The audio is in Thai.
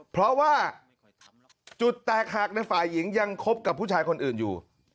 เพราะว่าจุดแตกหักในฝ่ายหญิงยังคบกับผู้ชายคนอื่นอยู่